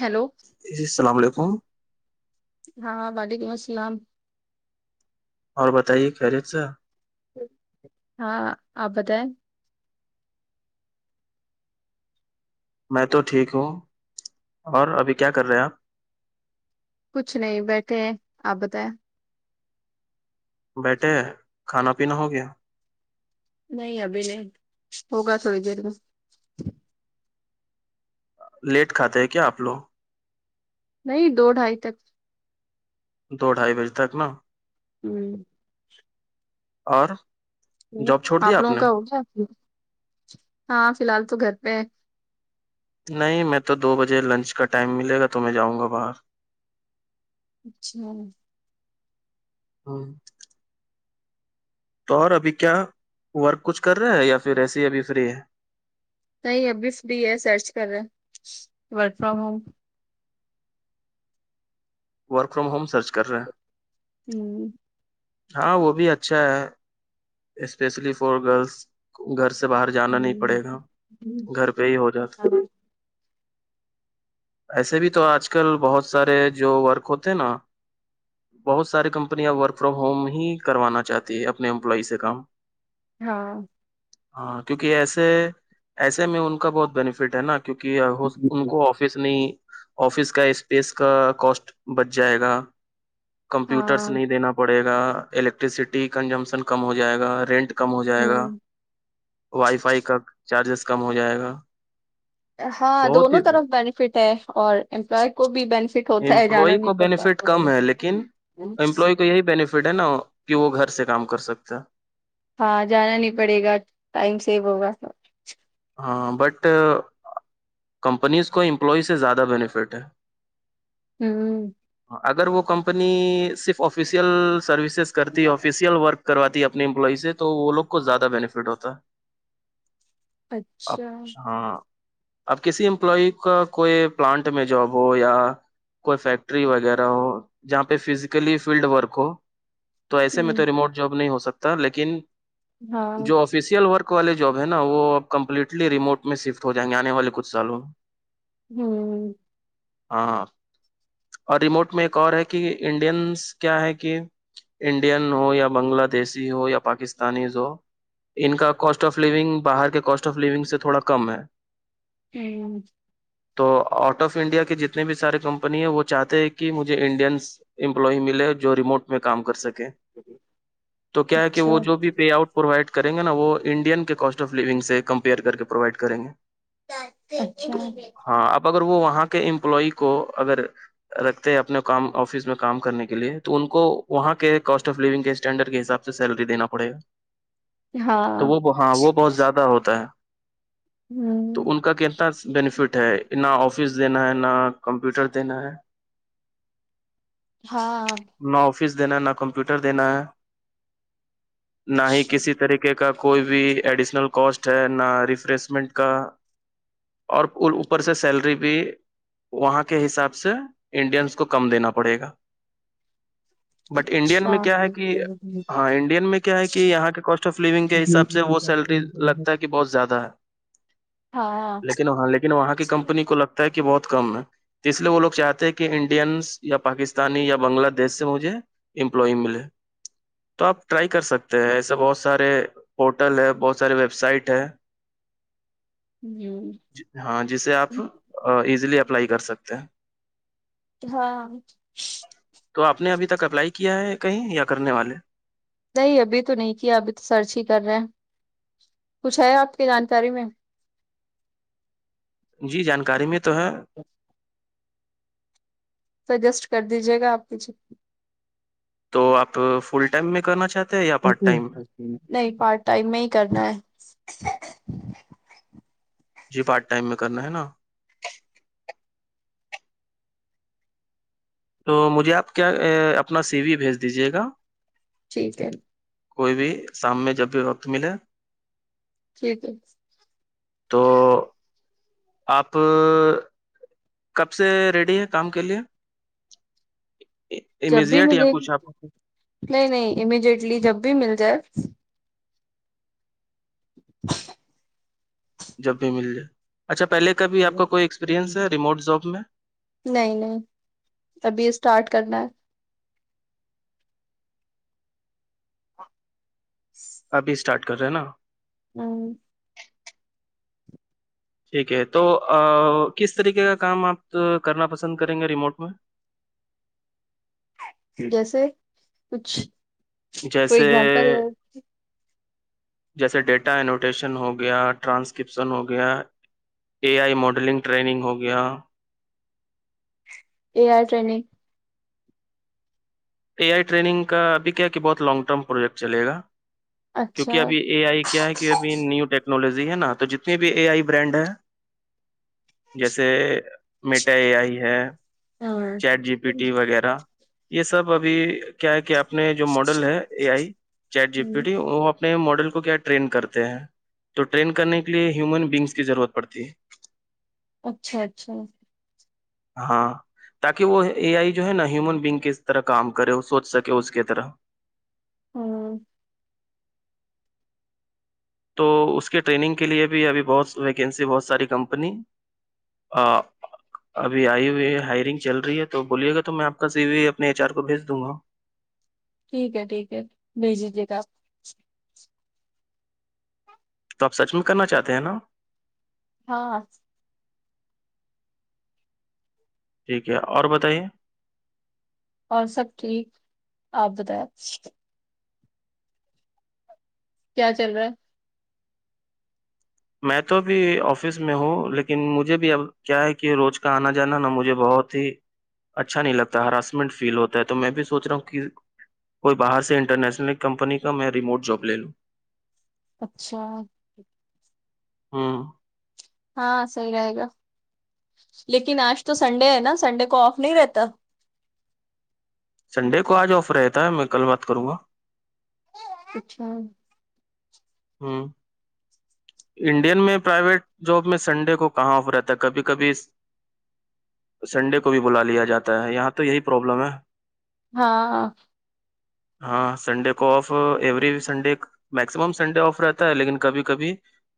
hello السلام علیکم ہاں وعلیکم السلام اور بتائیے خرییت سا ہاں آبد میں تو ٹھیک ہوں اور ابھی کیا کر رہے آپ کچھ نہیں بیٹھے ابتا بیٹھے کھانا پینا ہو گیا نہیں ابھی نہیں ہوگا تھوڑی دیر میں لیٹ کھاتے ہے کیا آپ لوگ نہیں دو ڈھائی تک دو ڈھائی بجے تک نا ہوں اور جاب چھوڑ دیا آپ لوگوں نے کا ہوگیا ہاں فی الحال تو گھر پہ نہیں میں تو دو بجے لنچ کا ٹائم ملے گا تو میں جاؤں گا باہر اچھا ہاں تو اور ابھی کیا ورک کچھ کر رہا ہے یا پھر ایسے ہی ابھی فری ہے نہیں ابھی فری ہے سرچ کر رہے work from home work from home search کر رہے ہیں ہوں ہاں وہ بھی اچھا ہے اسپیشلی فار گرلس گھر سے باہر جانا نہیں پڑے گا گھر پہ ہی ہو جاتا روو ایسے بھی تو آج کل بہت سارے جو ورک ہوتے ہیں نا بہت سارے کمپنیاں ورک فرام ہوم ہی کروانا چاہتی ہیں اپنے امپلائی سے کام ہاں ہاں کیونکہ ایسے ایسے میں ان کا بہت بینیفٹ ہے نا کیک ان کو آفس نہیں آفس کا اسپیس کا کوسٹ بچ جائے گا کمپیوٹرس ہاں نہیں دینا پڑے گا الیکٹرسٹی کنجمشن کم ہو جائے گا رینٹ کم ہو ہ جائے گا وائی فائی کا چارجز کم ہو جائے گا ہاں بہت دونوں ہی طرف بینیفٹ ہے اور امپلائے کو بھی بینیفٹ ات ہے جانا امپلائی کو نہیں پتا بینیفٹ کم ہے لیکن امپلائی یہی بینیفٹ ہے نا کہ وہ گھر سے کام کر سکتا ہاں جانا نہیں پڑے گا ٹائم سیو ہوگا س ہاں بٹ کمپنیز کو امپلائی سے زیادہ بینیفٹ ہے ہوں اں اگر وہ کمپنی صرف آفیسیل سروسز کرتی آفیسیل ورک کرواتی ہے اپنی امپلز سے تو وہ لوگ کو زیادہ بینیفٹ ہوتا ا اچھا ہاں اب کسی امپلائی کا کوئی پلانٹ میں جاب ہو یا کوئی فیکٹ ٹری وغیرہ ہو جہاں پہ فزیکلی فیلڈ ورک ہو تو ایسے میں ہوں تو ریموٹ جاب نہیں ہو سکتا لیکن ہاں جو آفس فیشیل ورک والے جوب ہے نا وہ اب کمپلیٹلی ریموٹ میں شفٹ ہو جائیں گے آنے والے کچھ سالوں ہوں ہاں اور ریموٹ میں ایک اور ہے کہ انڈینس کیا ہے کہ انڈین ہو یا بنگلہ دیش ہو یا پاکستانیز ہو ان کا کاسٹ آف لونگ باہر کے کاسٹ آف لونگ سے تھوڑا کم ہے ہ [unintelligible] [inaudible] تو آؤٹ آف انڈیا کے جتنے بھی سارے کمپنی ہے وہ چاہتے ہیں کہ مجھے انڈینس امپلائی ملے جو ریموٹ میں کام کر سکے تو کیا ہے کہ اچھا وہ جو بھی پے آؤٹ پرووائڈ کریں گے نا وہ انڈین کے کاسٹ آف لونگ سے کمپیئر کر کے پرووائڈ کریں گے اچھا تو ہاں اب اگر وہ وہاں کے امپلائی کو اگر رکھتے ہیں اپنے کام آفس میں کام کرنے کے لیے تو ان کو وہاں کے کاسٹ آف لونگ کے اسٹینڈرڈ کے حساب سے سے سیلری دینا پڑے گا تو ہاں وہ ہاں وہ بہت زیادہ ہوتا ہے تو ہوں ان کا کہ انا بینیفٹ ہے نہ آفس دینا ہے نہ کمپیوٹر دینا ہے ہاں نہ آفس دینا ہے نہ کمپیوٹر دینا ہے [inaudible] نہ ہی کسی طریقے کا کوئی بھی ایڈیشنل کوسٹ ہے نہ ریفریشمنٹ کا اور اوپر سے سیلری بھی وہاں کے حساب سے انڈینس کو کم دینا پڑے گا [inaudible] بٹ انڈین میں اچھا کیا ہے کہ ہاں انڈین میں کیا ہے کہ یہاں کے کاسٹ آف لونگ کے حساب سے وہ سیلری لگتا ہے بہت زیادہ ہے ہاں لیکن وہ حالے کے وہاں کی کمپنی کو لگتا ہے کہ بہت کم ہے تو اس لیے وہ لو چاہتے ہیں کہ انڈینس یا پاکستانی یا بنگلہ دیش سے مجھے امپلائی ملے تو آپ ٹرائی کر سکتے ہیں ایسے بہت سارے پورٹل ہے بہت سارے ویب سائٹ ہے [inaudible] ہوں ہاں جسے آپ ایزیلی اپلائی کر سکتے ہیں ہاں تو آپ نے ابھی تک اپلائی کیا ہے کہیں یا کرنے والے نہیں ابھی تو نہیں کیا ابھی تو سرچ ہی کر رہے ہیں کچھ ہے آپ کی جانکاری میں جی جانکاری میں تو ہے سجیسٹ کر دیجیے گا آپ کسی تو آپ فل ٹائم میں کرنا چاہتے [unintelligible] ٹائم نہیں پارٹ ٹائم میں ہی کرنا ہے جی پارٹ ٹائم میں کرنا ہے نا [unintelligible] تو مجھے آپ کیا اپنا سی وی بھیج دیجیے گا ٹھیک ہے کوئی بھی شام میں جب بھی وقت ملے ٹھیک ہے تو آپ کب سے ریڈی ہیں کام کے لیے چبی امیزیٹ یا ملے گی کچھ آپ [unintelligible] نہیں نہیں امیڈیٹلی جب بھی مل جائے [unintelligible] جب بھی مل جائے اچھا پہلے کا بھی آپ کا کوئی ایکسپیریئنس ہے ریموٹ زاب میں نہیں نہیں ابھی اسٹارٹ کرنا ہے [unintelligible] ابھی اسٹارٹ کر رہے ہیں نا ہاں ٹھیک ہے تو کس طریقے کا کام آپ کرنا پسند کریں گے ریموٹ میں جیسے کچھ کوئی جیسے اگزامپل [unintelligible] جیسے ڈیٹا انوٹیشن ہو گیا ٹرانسکپشن ہو گیا اے آئی ماڈلنگ ٹریننگ ہو گیا E R training A I training کا ابھی کیا کہ بہت لانگ ٹرم پروجیکٹ چلے گا اچھا کیونکہ ابھی اے آئی کیا ہے کہ ابھی نیو ٹیکنالوجی ہے نا تو جتنی بھی اے آئی برانڈ ہے جیسے میٹا اے آئی ہے چیٹ جی پی ٹی وغیرہ یہ سب ابھی کیا ہے کہ آپ نے جو ماڈل ہے A I chat G P T وہ اپنے ماڈل کو کیا ٹرین کرتے ہیں تو ٹرین کرنے کے لیے ہیومن بگس کی ضرورت پڑتی ہے اچھا اچھا ہاں تاکہ وہ اے آئی جو ہے نا ہیومن بگ کے طرح کام کرے سوچ سکے اس کی طرح ہاں تو اس کے ٹریننگ کے لیے بھی ابھی بہت ویکینسی بہت ساری کمپنی ہاں ابھی آئی ہوئی ہے ہائرنگ چل رہی ہے تو بولیے گا تو میں آپ کا سی اپنے ایچ آر کو بھیج دوں گا ٹھیک ہے ٹھیک ہے بھیج دیجیے گا آپ تو آپ سچ میں کرنا چاہتے ہیں نا ہاں ٹھیک ہے اور بتائیے اور سب ٹھیک آپ بتیا کیا چل رہا ہے میں تو بھی آفس میں ہوں لیکن مجھے بھی اب کیا ہے کہ روز کا آنا جانا نہا مجھے بہت اچھا نہیں لگتا ہراسمنٹ فیل ہوتا ہے تو میں بھی سوچ رہا ہوں کہ کوئی باہر سے انٹرنیشنل ایک کمپنی کا میں ریموٹ جاب لے لوں اچھا ہاں ہاں صحیح رہے گا لیکن آج تو سنڈے ہے نا سنڈے کو آف نہیں رہتا سنڈے کو آج آفر رہتا ہے میں کل بات کروں گا اچھا ہاں انڈین میں پرائیویٹ جاب میں سنڈے کو کہاں آفر رہتا ہے کبھی کبھی سنڈے کو بھی بلا لیا جاتا ہے یہاں تو یہی پروابلم ہے ہاں ہاں سنڈے کو off every Sunday maximum Sunday off رہتا ہے لیکن کبھی کبھی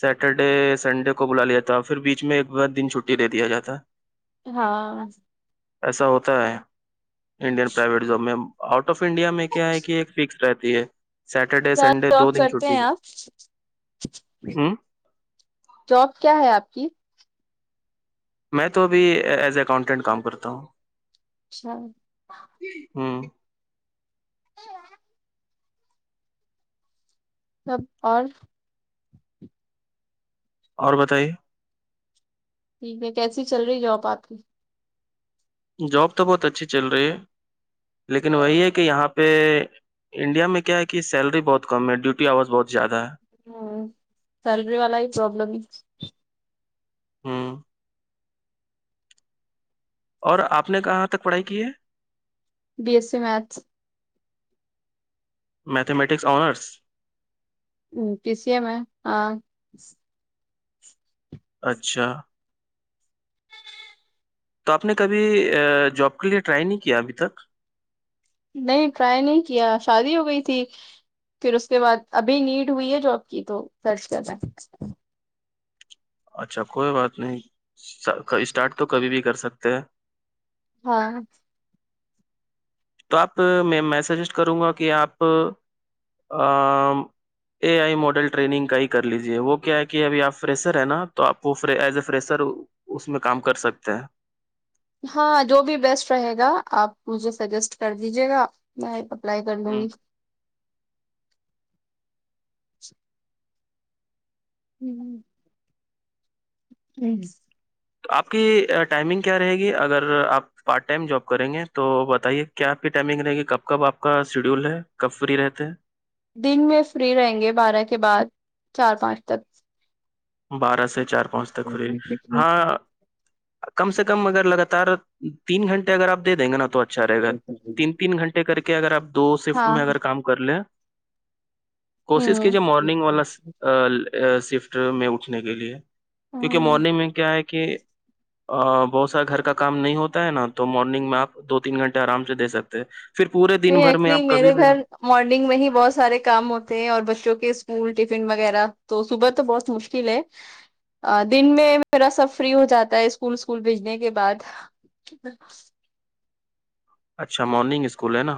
سیٹرڈے سنڈے کو بلا لیا تھا پھر بیچ میں ایک بار دن چھٹی دے دیا جاتا ہاں ایسا ہوتا ہے انڈین پرائیویٹ زوم میں آؤٹ آف انڈیا میں کیا ہے کہ ایک فکس رہتی ہے سیٹرڈے سنڈے جاب دو دن کرتے ہیں آپ ہوں جاب کیا ہے آپ کی میں تو ابھی ایز ا اکاؤنٹینٹ کام کرتا ہوں اچھا ہاں سب اور اور بتائیے ٹھیک ہے کیسی چل رہی جاب آپ کی جاب تو بہت اچھی چل رہی ہے لیکن وہی ہے کہ یہاں پہ انڈیا میں کیا ہے کہ سیلری بہت کم ہے ڈیوٹی آواز بہت زیادہ ہے ہوں سلری والا ہی پروابلم ہی ہاں اور آپ نے کہاں تک پڑھائی کی ہے B S C maths mathematics honours P S E میں ہاں اچھا تو آپ نے کبھی جاب کے لیے ٹرائی نہیں کیا ابھی تک نہیں ٹرائی نہیں کیا شادی ہو گئی تھی پھر اس کے بعد ابھی نیٹ ہوئی ہے جاب کی تو سرچ کردہ اچھا کوئی بات نہیں اسٹارٹ تو کبھی بھی کر سکتے ہیں ہاں تو آپ میں میں سجیسٹ کروں گا کہ آپ اے آئی ماڈل ٹنگ کا ہی کر لیجے وہ کیا ہے کہ اب آپ فریسر ہے نا تو آپ وہ ایز اے فریسر اس میں کام کر سکتے ہیں ہاں جو بھی بیسٹ رہے گا آپ مجھے سجیسٹ کر دیجیے گا اپلائی کر لوں ہوں گی ہوں ہ [inaudible] جی [inaudible] آپ کی ٹائمنگ کیا رہے گی اگر آپ پارٹ ٹائم جاب کریں گے تو بتائیے کیا آپ کی ٹائمنگ رہے گی کب کب آپ کا شیڈیول ہے کب فری رہتے ہیں دن میں فری رہیں گے بارہ کے بعد چار پانچ تک بارہ سے چار پانچ تک ہولی ہاں کم سے کم اگر لگاتار تین گھنٹے اگر آپ دے دیں گے نا تو اچھا رہے گا تین تین گھنٹے کر کے اگر آپ دو سفٹ ہاں میں اگر کام کر لیں کوشش کیجیے مارننگ والا سفٹ میں اٹھنے کے لیے کیونکہ ہ مارننگ میں کیا ہے کہ بہت سارا گھر کا کام نہیں ہوتا ہے نا تو مارننگ میں آپ دو تین گھنٹے آرام سے دے سکتے پھر پورے دن بھر میں آپ کبھی بھی مارنگ میں ہی بہت سارے کام ہوتے ہیں اور بچوں کے اسکول ٹفن وغیرہ تو صبح تو بہت مشکل لے دن میں میرا سب فری ہو جاتا ہے اسکول اسکول بھیجنے کے بعد [inaudible] اچھا مارننگ اسکول ہے نا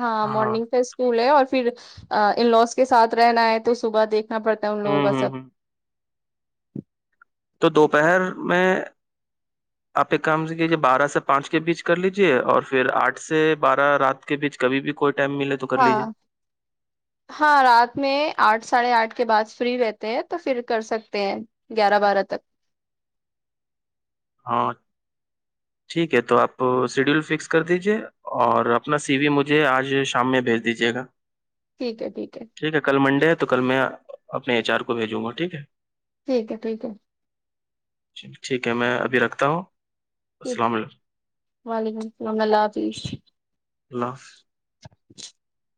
ہاں مارننگ پ اسکول ہے اور پھر ان لوز کے ساتھ رہنا ہے تو صبح دیکھ نا پڑتا ہے ان ہ لوگوں کا ہ سب ہ تو دوپہر میں [inaudible] آپ ایک کام کیجیے بارہ سے پانچ کے بیچ کر لیجے اور پھر آٹھ سے بارہ رات ب بیچ کبھی بھی کوئی ٹائم ملے تو کر ہاں لیجیے ہاں رات میں آٹھ ساڑھے آٹھ کے بعد فری رہتے ہیں تو پھر کر سکتے ہیں گیارہ بارہ تک ہو ٹھیک ہے تو آپ شیڈیول فکس کر دیجیے اور اپنا سی و مجھے آج شام میں بھیج دیجیے گا ٹھیک ہے ٹھیک ہے ٹھیک ہے کل منڈے ہے تو کل میں اپنے ایچ آر کو بھیجوں گا ٹھیک ہے ٹھیک ہے ٹھیک ہے ٹھیک ہے میں ابھی رکھتا ہوں السلام علیکم وعلیکم السلام اللہ حافظ لس [unintelligible]